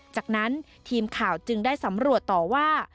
จากนั้นทีมข่าวจึงได้สำรวจต่อว่า